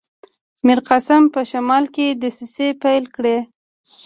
میرقاسم په شمال کې دسیسې پیل کړي.